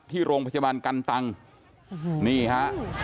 ที่โรงพยาบาลกันตังนี่ฮะ